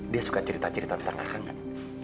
dia suka cerita cerita tentang akang gak